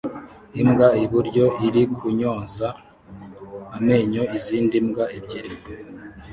Imbwa iburyo iri kunyoza amenyo izindi mbwa ebyiri